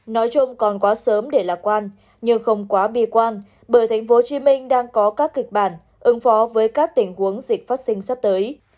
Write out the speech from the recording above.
nói chung còn quá sớm để lạc quan nhưng không quá bi quan bởi tp hcm đang có các kịch bản ứng phó với các tình huống dịch phát sinh sắp tới